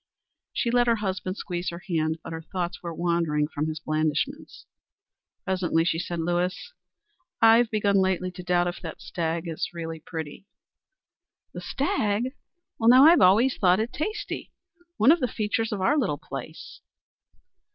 She let her husband squeeze her hand, but her thoughts were wandering from his blandishments. Presently she said: "Lewis, I've begun lately to doubt if that stag is really pretty." "The stag? Well, now, I've always thought it tasty one of the features of our little place."